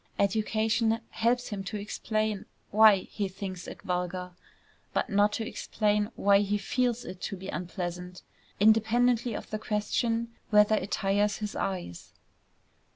Education helps him to explain why he thinks it vulgar, but not to explain why he feels it to be unpleasant, independently of the question whether it tires his eyes.